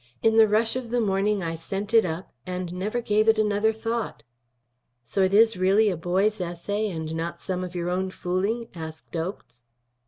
In the rush of the morning I sent it up and never gave it another thought." "So it is really a boy's essay, and not some of your own fooling?" asked Oakes.